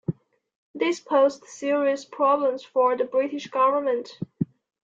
This posed serious problems for the British government.